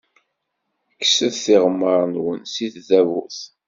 Kkset tiɣemmar-nwen seg tdabut.